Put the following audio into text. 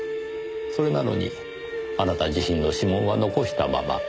それなのにあなた自身の指紋は残したまま。